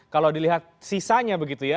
kalau dilihat sisanya begitu ya